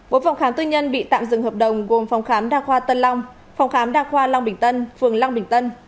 bốn phòng khám tư nhân bị tạm dừng hợp đồng gồm phòng khám đa khoa tân long phòng khám đa khoa long bình tân phường long bình tân